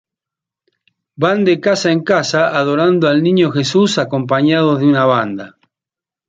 Van de casa en casa adorando al niño Jesús acompañados de una banda.